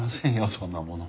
そんなもの。